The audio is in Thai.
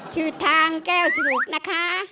ชื่อทางแก้วสนุกนะคะ